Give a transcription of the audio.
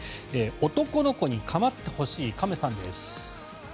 男の子に構ってほしい亀さんです。